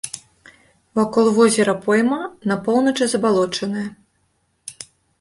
Вакол возера пойма, на поўначы забалочаная.